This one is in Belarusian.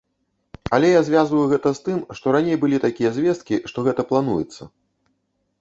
Але я звязваю гэта з тым, што раней былі такія звесткі, што гэта плануецца.